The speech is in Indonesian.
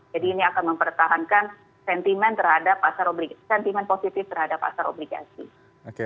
jadi ini akan mempertahankan sentimen positif terhadap pasar obligasi